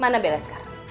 mana bella sekarang